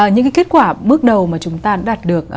những kết quả bước đầu mà chúng ta đạt được